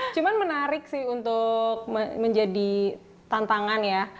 cuma menarik sih untuk menjadi tantangan ya